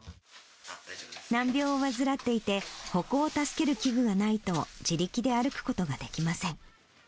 難病を患っていて、歩行を助ける器具がないと、自力で歩くことができません。